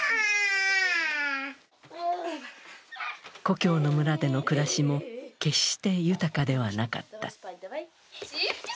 故郷の村での暮らしも決して豊かではなかった。